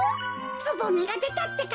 つぼみがでたってか。